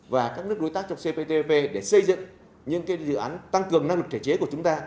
và các nước đối tác trong cptpp để xây dựng những dự án tăng cường năng lực thể chế của chúng ta